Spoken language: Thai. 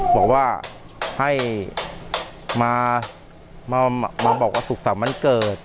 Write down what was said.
บอกว่าให้มาบอกว่าสุขสรรค์วันเกิด